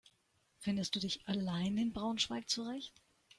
Findest du dich allein in Braunschweig zurecht?